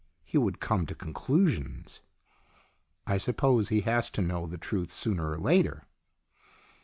He would come to conclusions." " I suppose he has to know the truth sooner or later."